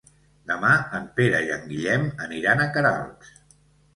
Demà en Pere i en Guillem aniran a Queralbs.